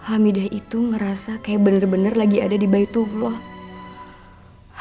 amida itu ngerasa kayak bener bener lagi ada di bayi tuhloh